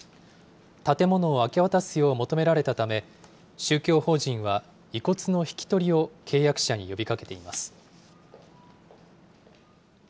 建物を明け渡すよう求められたため、宗教法人は遺骨の引き取りを契約者に呼びかけています。